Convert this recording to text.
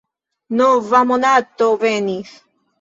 Nova monato venis.